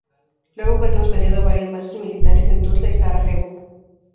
Luego fue transferido a varias bases militares en Tuzla y Sarajevo.